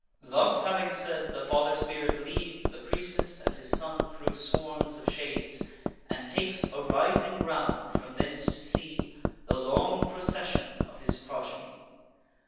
Thus having said, the father spirit leads The priestess and his son thro' swarms of shades, And takes a rising ground, from thence to see The long procession of his progeny.